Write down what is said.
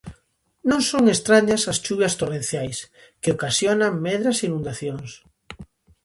Non son estrañas as chuvias torrenciais, que ocasionan medras e inundacións.